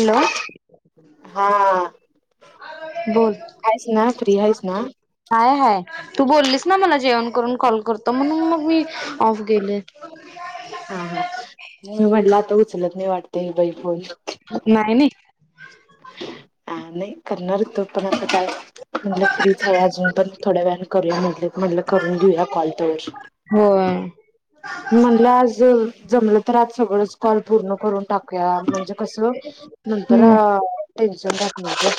Hello हा [unintelligible] बोल आहेस ना फ्री आहेस ना हाय हाय तू बोललीस ना मला जेवण करून कॉल करतो म्हणून मग मी ऑफ गेले हा हा म म्हटलं आता उचलत नाही वाटत ही बाई फोन नाही नाही हा नाही करणार हुतो पण आता काय म्हटलं फ्रीच आहे अजून पण थोड्या वेळा करूया म्हट म्हटलं करून घेऊया कॉल तवर होय म्हणला आज जमलं तर आज सगळंच कॉल पूर्ण करून टाकूया म्हणजे कस नंतर हम्म टेनशन रात नाही ग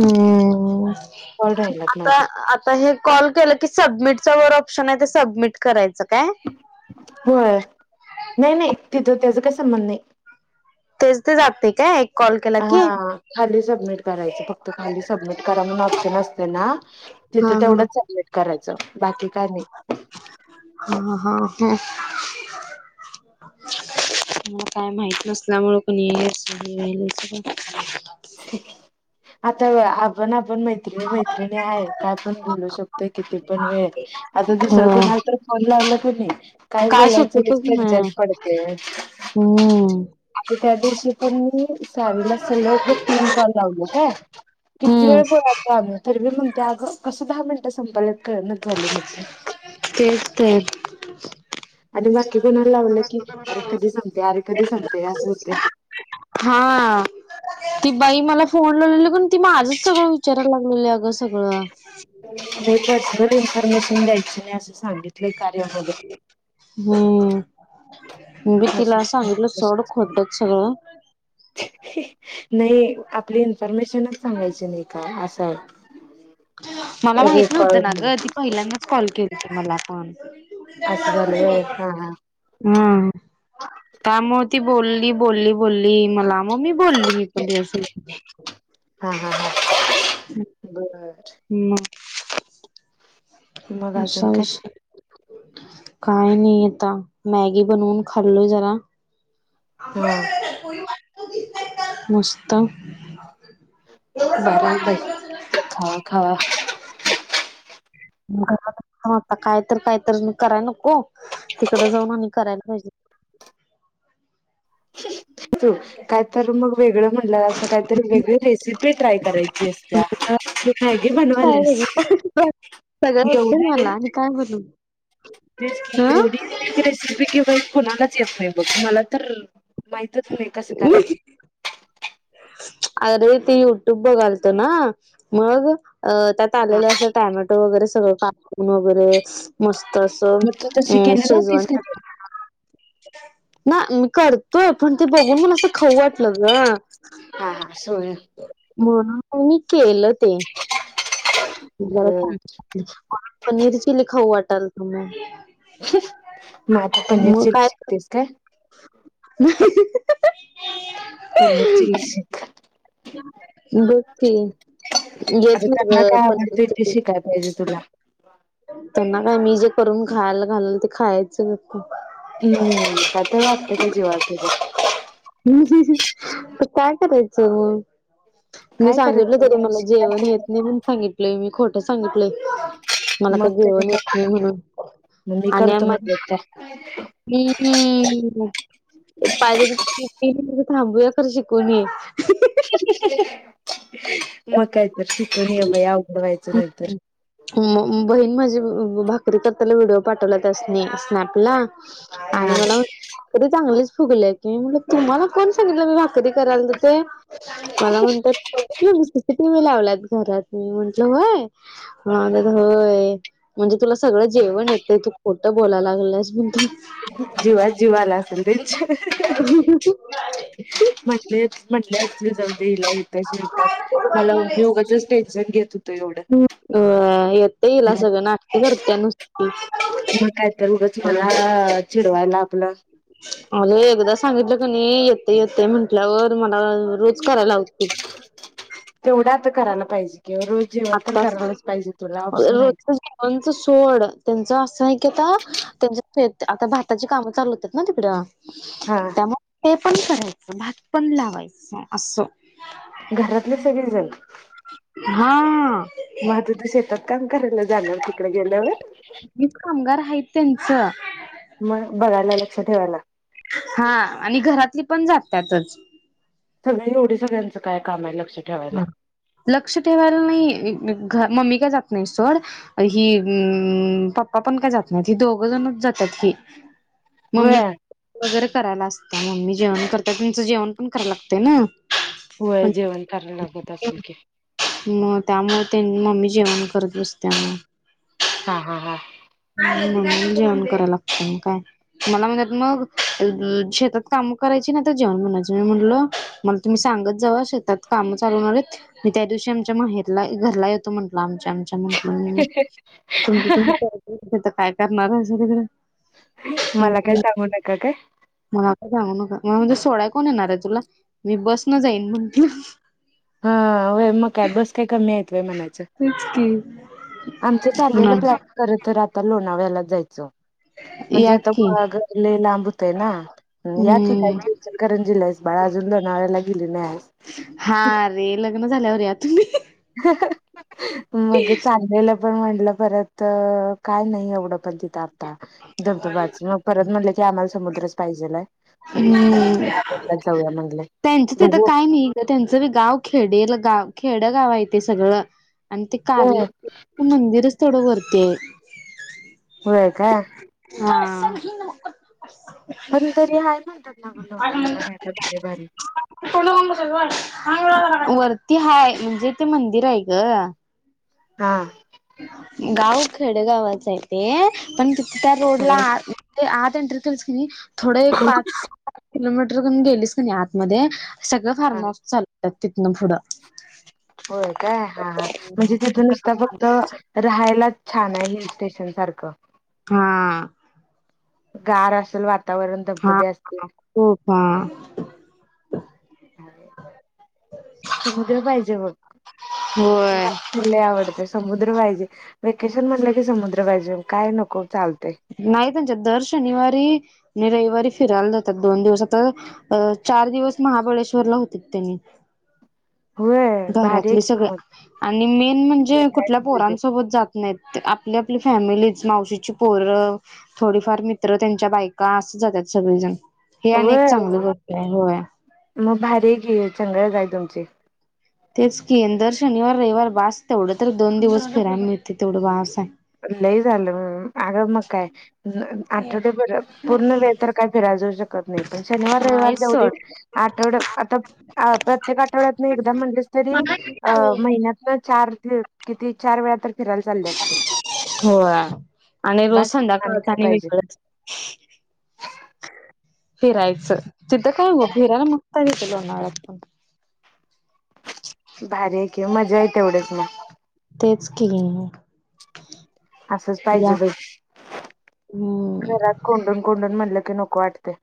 हम् कॉल राहिलात आता माझे आता हे कॉल केलं की सबमिटचा ऑप्शन आहे ते सबमिट करायच होय नाही नाही तिथं त्याचा काही संबंध नाही तेज ते जातंय काय कॉल केला की हा खाली सबमिट करायचं फक्त खाली सबमिट करा म्हणून ऑप्शन असत ना [unintelligible] तिथं हा तेवढंच सबमेट करायचं बाकी काय नाही हा हा हो मला काय माहित नसल्यामुळे कणी अस व्यालय सगळ आता अ ना पण मैत्रिणी मैत्रिणी आहे काय पण बोलू शकतोय किती पण वेळ आता दुसरं हो कोण आहे तर फन लावलं क नाही काही काय बोलायच सुचतच टनशन पडते आता हा त्या दिवशी पण मी सारीला सलग तीन कॉल लाव का किती हम्म वेळ बोला आम्ही तरीी म्हण ग कस दहा मिनिटं संपलत करणच झाले म तेच तर आणि बाकी कोुणाला लावडलं की अरे कधी संपते अरे कधी संपते अस होते हा ती बाई मला फोन पण ती माझच सगळं विचारयला लागलेली अग सगळं ज इन्फॉर्मेशन द्यायचं नाही असं सांगितलंय कार्यामध्ये हम्म मी तिला सांगितलं सड पर्सनल खोटत सगळं नाही आपली इन्फॉर्मेशनच सांगायची नाही का असं मला माहित नव्हतं रेकॉर्ड ना ग मध्ये ती पहिल्यांदाच कॉल केली हो त मला पण असं झालं व्हय हा हा हम कामुळे ती बोलली बोलली बोलली मला मग मी बोलली मी पण त्या हा हा हा बर हम् मग अजून काय काय नाही आता मॅगी बनवून खाल्लो जरा हा मस्त बर आहे भाई खावा खावा ता काय तर काय तर कराय नको तिकड जाऊन आणि करायला पाहिजे तू काय तर मग वेगळ म्हं असं काहीतरी वेगळी रेसिपी ट्राय करायची असत मी मॅगी काय बनवाल्यास वेगळं सगळं होत मला आणि काय बोल की एढ रेसिपी किंवा कुणालाच येत नाही बघ मला तर माती तुम्ही कस करायचे अरे त यूट्यूब बघालतो ना मग अ त्यात हा आलेलं असं टॅमॅटो वगैरे सगळं काकून वगैरे मस्त तसं मग तू तशी अ केली शेजवन नव्हतीस कधी ना मी करतोय पण ते बघून मला असं खाऊ वाटलं ग हा हा सोय म्हणून मी केलं ते हम्म. ज पनीर चिली खाऊ वाटाल तुम मग आता पनीर म चिली काय शिकतेस काय पनीीर चि ल शेख बसती घेत आता म त्यांना काय पण आवडते ते शिकाय पाहिजे तुला त्यांना काय मी जे करून खायला घालल ते खायचं फक्त. हम्म त्या ते वाातता का जेवाच काय करायचं म मी काय सांगितल करायचं तरी मग मला जेवण शिकायचं येत काय? नाही म्हण सांगितलंय मी खोट सांगितलं आपले मला मग काही त्याने जेवण येत काय नाही म्हणून मग मी आणि करतो हम् म्हटलं काय पाहिजे थांबू या करर शिकूणीय मका म बहीण माझी भाकरी करताना व्हिडिओ पाठवला त्यासनी स्नॅपला आणि हा मला तरी चांगलीच फगलंय की म्ह तुम्हाला कोण सांगितलं मी भाकरी करायल तर ते मला म्हणतात टी व्ही लावलात घरात मी म्हंटलं होय होय. म्हणजे तुला सगळं जेवण येते तू खोटं बोलायला लागलंस म्हण. जीवा जीवाला असल त्यां, अ ह म्हले म्हटले असतील जाऊदे हिला येतोय स्वयंपाक, मला उगाचच टेन्शन होतो एवढं ह अ हिला सगळं सगळं नाटकी करत नुसती. णा चिडवायला आपलं, अगे एकदा सांगितलं कणी येते येते म्हंटल्यावर मला रोज करायला लावतिल. तेवढा आता करायला पाहिजे. ं रोज जेवन तर आत्ताच करायलाच पाहिजे तुला ऑप्शन आहे रोजच का? जेवणच सोड त्यांच असं नाही की आता त्यांच्या आता भाताची कामं चालू होतात ना तिकड, हा त्यामुळे ते पण करायचं भात पण लावायचं असं, घरातले सगळेजण, हा मग तुझ शेतात काम करायला जाणार तिकडे गेल्यावर. तेनच मग बघायला लक्ष ठेवायला हा आणि घरातली पण जातातच, सगळे एवढे सगळ्यांचं काय काम आहे लक्ष, ठेवायला ह लक्ष ठेवायला नाही. मम्मी काय जात नाही सोड ही पप्पा पण काय जात नाही ह दोघ जणच जातात. हि मम्मी होय वगैरे करायला असत मम्मी जेवण करता तचं जेवण पण करावला लागत ना. होय जेवण. करायला लागत असेल की म त्यामुळे, मम्मी जेवण करत बसत्या मग, हा हा हा नाही जेवण करायला लागत काय? मला म्हणतात मग शेतात काम करायचे ना तर जेवण म्हणाच म्हटलं मला तुम्ही सांग. सांग शेतात काम चाल मी त्या दिवशी आमच्या माहेरला घरला येतो म्हटलं आम म्हुमुम्ही काय करणार आहे सगकडें. मला काय सांगू नका काय मला का जागू नका म म्हणजे सोड्या, कोण येणार आहे तुला मी बसनं जाईन म्हनल, हा मग काॅ बस काय कमी य, म्हणायच तेच की आमच चाललेलं प्लॅन या खर तर आता लोणाव्याला जायचं. जा म्हणजे आता की गुहागर लांब होतंय ना या कि काय हम्म इचलकरंजीला आहेस बाळा अजून. लोणावळ्याला गेली नाही अजून, अरे लग्न झाल्यावर रे या तुम्ही ‌. मग चांगलेलं, पण म्हटलं परत, काय नाही एवढं पण तिथं. आता धबधबाच मग परत म्हटले की आम्हाला समुद्रच पाहिजे. तर मग जाऊया म्हणले. त्यांच तथं काय नाही, त्यांचंी गाव खेडे गाव खेड गाव आहे ते सगळं. आणि ते कार्ले, होय मंदिरच थोडं वरती आहे. होय काय? [unintelligible] पण तरी आहे म्हणतात, ना लोणावळा काय तर [unintelligible] वरती हाय म्हणजे, ते मंदिर आहे ग. हा, गाव खेडगावाच आहे, ते पण तिथ त्या रोडला, ते आत एंटर केलीस की नाही, थोडं एक पाच किलोमीटरून गेलीस कि नाही आतमध्ये. सगळं हा फार्म हाऊस चालतात. तिथनं पुढं, होय काय, हा हा म्हणजे तिथून नुसता फक्त राहायलाच छान आहे, हिल स्टेशन सारखं. हा, गार असेल वा हा खूप हा [unintelligible] समुद्र पाहिजे बग होय तीला, आवडत समुद्र पाहिजे. वेकेशन म्हणलं की समुद्र पाहिजे, काय नको चालत. नाही त्यांच्या दर शनिवारी, आणि रविवारी फिरायला जातात, दोन दिवस आता अ चार दिवस महाबळेश्वरला होते त्यांनी, [unintelligible] भारी आहे घरातले की सगळे मग आणि मेन म्हणजे, कुठल्या पोरांसोबत जात नाहीत. आपली आपली, फॅमिलीच मावशीची पोरं थोडीफार मित्र त्यांच्या बायका अस जातात. सगळी जण, व मग भारी घे चगळच आहे तुमचे, तेच कीं दर शनिवार रविवार, बास तेवढं तर दोन दिवस फिराय मिळ ते तेवढं बास आहे. लई झालं, आग म काय, आठव्या पूर्ण वेळ तर काही, फिराय जऊ शकत नाही पण, शनिवार रविवार नाही जवढे. सोड आठवड आता प्रत्येक, आठवड्यातन एकदा म्हणलंस तरी अ महिन्यातन चार, किती चार वेळा तर फिरायला चालले असतो. हो आणि रोज बास कि संद्याकाळी काय आणि पाहिजे वेगळा च. [unintelligible] फिरायचं तिथ काय ग, फिरायला मगता घेत लोनाळ्यात पण, किं मजा येत तेवढेच मग, तेच कि, [unintelligible] असच पाहिजे, ब हम्म घरात कोंडून कोंडून म्हणलं. नोक वाटते?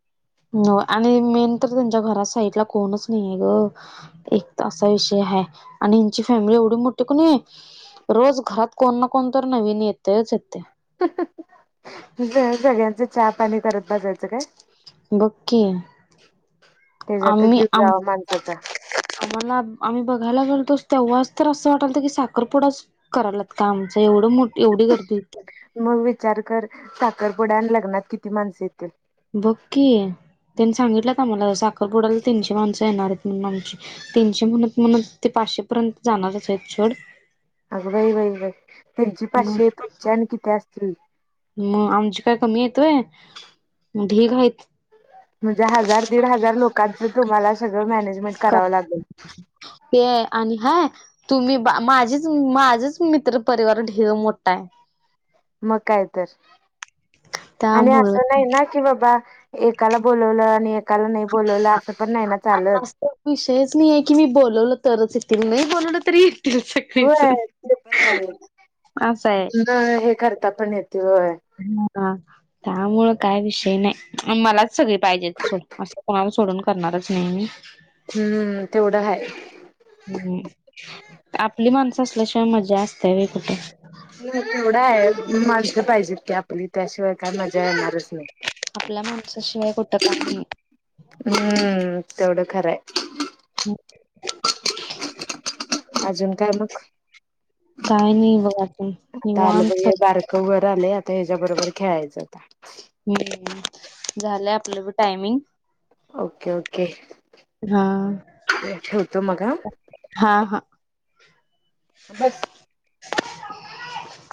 हो आणि मेन तर त्यांच्या घरा साईडला कोणच नाही आहे, ग एक असा विषय, आणि हची फॅमिली एवढी मोठी कोणी आहे, रोज घरात कोण ना कोण तर नवीन येतच. सगळ्यांचं चहा पाणी करत बजासचं काय! बघकी त्याच्यातच आम्ही, जीव आ जावा माणसाचा मला आम्ही बघायला घेलतो, तेव्हाच तर असं वाटलत की साखरपुडाच करालात का आमचं एवढं मोठ, एवढी गर्दी होती. मग विचार कर साखरपुडा आणि, लग्नात किती माणसं येतील. बककी, त्यांनी सांगितलंत आम्हाला, साखरपुडाला तीनशे माणसं येणार आहेत म्हण आमची तीनशे म्हणत म्हण ते, पाचशे पर्यंत जाणारच आहेत सोड अगं बाई बाई बाई त्यांची मग पाचशे न किती असतील मग आमची काय कमी आहेत होय. ढीग आहेत. म्हणजे हजार दीड हजार लोकांच तुम्हाला सगळं मॅनेजमेंट का करावं लागेल. ते आणि हाय तुम्ही माझेच माझच मित्र परिवार ढिग मोठा आहे. मग काय तर आणि त्यामुळं असं नाही ना कि बाबा एकाला बोलवलं आणि एकाला नाही बोलवलं असं पण नाही ना. चालत आस विषयच नाहीय की मी बोलवल तरच येतील नाही बोलवलं तरी ये तील होय सगळेजण ते पण आहे अस आहे. न हे करता पण येते होय हा त्यामुळे, काय विषय नाही. मलाच सगळी पाहिजेत सोड असं कोणाला सोडून करणारच नाही मी. हम्म तेवढं हाय हम्म आपली माणसं असल्याशिवाय मजा असते होय कुठे. माणस पाहिजेत की आपली, त्याशिवाय काय मजा येणारच नाही. आपल्या माणसाशिवाय कुठं काय नाही. हम्म तेवढं खरं आहे. [unintelligible] अजून काय मग. काय नाही बघ अजून आता आल बघ निवांत हे सगळं बारक वर आलय आता हेच्या बरोबर. खेळायच आता. ह् झालंय आपलं बी टायमिंग. Okay okay. हां. ठेवतो मग हा. हां, [inaudible] बस. [unintelligible]